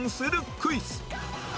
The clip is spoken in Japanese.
クイズ！